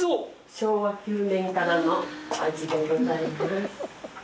昭和９年からの味でございます。